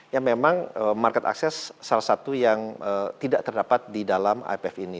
yang memang market access salah satu yang tidak terdapat di dalam ipf ini